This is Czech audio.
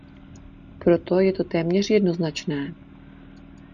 Proto je to téměř jednoznačné.